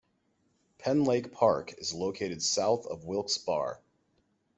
Penn Lake Park is located south of Wilkes-Barre.